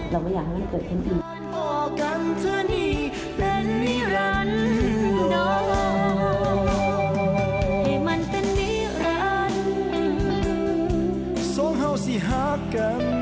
ไม่อยากให้มันเกิดขึ้นอีก